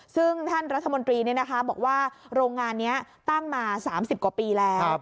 ซึ่งท่านรัฐมนตรีบอกว่าโรงงานนี้ตั้งมา๓๐กว่าปีแล้ว